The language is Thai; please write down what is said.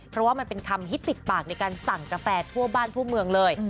เพราะว่ามันเป็นคำฮิตติดปากในการสั่งกาแฟทั่วบ้านทั่วเมืองเลย